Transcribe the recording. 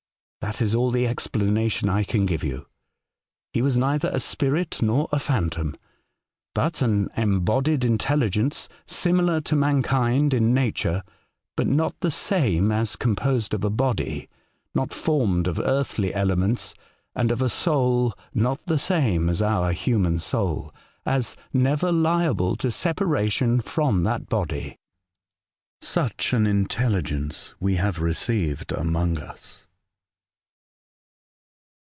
That is all the explanation I can give you. He was neither a spirit nor a phantom, but an embodied intelligence similar 60 A Voyage to Other Worlch, to mankind in nature ; but not the same, as composed of a body, not formed of earthly elements, and of a soul not the same as our human soul, as never liable to separation from that body. Such an intelligence we have received among us.